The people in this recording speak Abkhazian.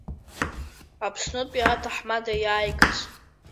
Аԥснытәи аҭаҳмада иааигаз.